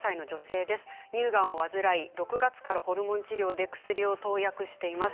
乳がんを患い、６月からホルモン治療で投薬しています。